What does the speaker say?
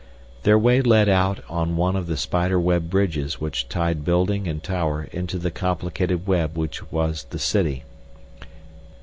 Their way led out on one of the spider web bridges which tied building and tower into the complicated web which was the city.